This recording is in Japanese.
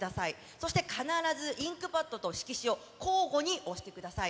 そして、必ずインクパッドと色紙を交互に押してください。